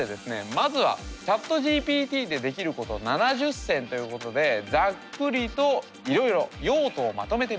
まずはＣｈａｔＧＰＴでできること７０選ということでざっくりといろいろ用途をまとめてみました。